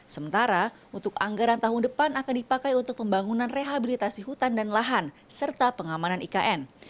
sementara untuk anggaran tahun depan akan dipakai untuk pembangunan rehabilitasi hutan dan lahan serta pengamanan ikn